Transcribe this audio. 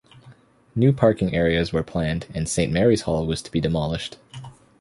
New parking areas were planned and Saint Mary's Hall was to be demolished.